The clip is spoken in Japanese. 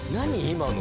今の。